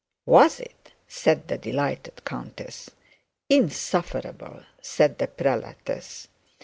'Was it?' said the delighted countess. 'Insufferable,' said the prelatess.